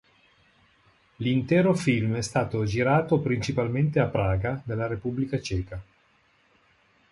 L'intero film è stato girato principalmente a Praga, nella Repubblica Ceca.